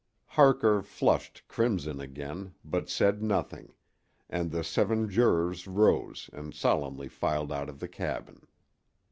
Harker flushed crimson again, but said nothing, and the seven jurors rose and solemnly filed out of the cabin.